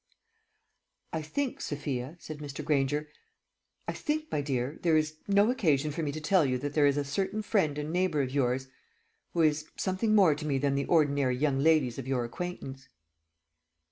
"I think, Sophia," said Mr. Granger, "I think, my dear, there is no occasion for me to tell you that there is a certain friend and neighbour of yours who is something more to me than the ordinary young ladies of your acquaintance."